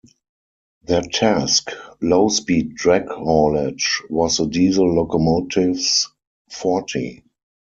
Their task, low-speed drag haulage, was the diesel locomotive's forte.